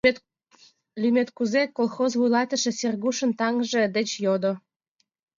Лӱмет кузе? — колхоз вуйлатыше Сергушын таҥже деч йодо.